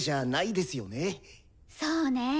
そうね。